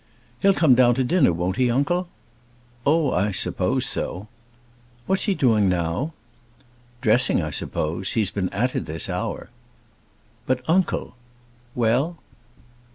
"He'll come down to dinner; won't he, uncle?" "Oh, I suppose so." "What's he doing now?" "Dressing, I suppose; he's been at it this hour." "But, uncle " "Well?"